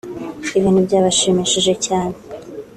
ibintu byabashimishije cyane